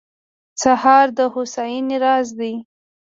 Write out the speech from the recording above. سهار د هوساینې راز دی.